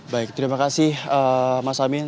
baik terima kasih mas amin